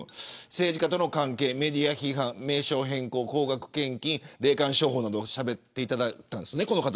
政治家との関係、メディア批判名称変更、高額献金霊感商法などをしゃべっていただきました。